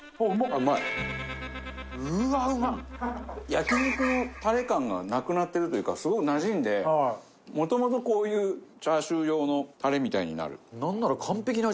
焼肉のタレ感がなくなってるというかすごくなじんでもともとこういうチャーシュー用のタレみたいになる。